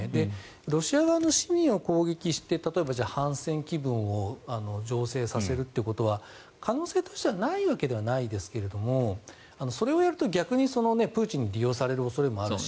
ロシア側の市民を攻撃して例えば反戦気分を醸成させるということは可能性としてはないことはないと思いますがそれをやると逆にプーチンに利用される恐れもあるし